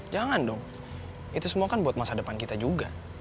jangan dong itu semua kan buat masa depan kita juga